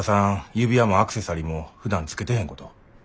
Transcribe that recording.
指輪もアクセサリーもふだん着けてへんこと。